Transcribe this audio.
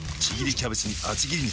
キャベツに厚切り肉。